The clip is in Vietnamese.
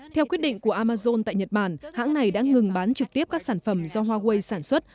theo quyết định của amazon tại nhật bản hãng này đã ngừng bán trực tiếp các sản phẩm do huawei sản xuất